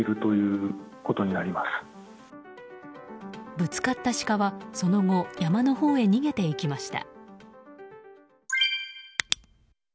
ぶつかったシカはその後山のほうへ逃げていきました。